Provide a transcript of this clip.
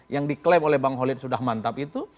yang diklaim oleh bang holid sudah mantap itu